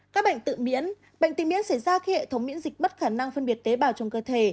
các bệnh tự miễn bệnh tự miễn xảy ra khi hệ thống biên dịch bất khả năng phân biệt tế bào trong cơ thể